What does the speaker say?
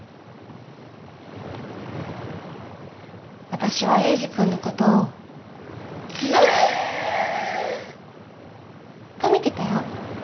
私はエイジ君のことをずーっと見てたよ。